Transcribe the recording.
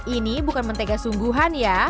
ini bukan mentega sungguhan ya